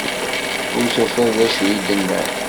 Ur tufiḍ d acu i d-nnan.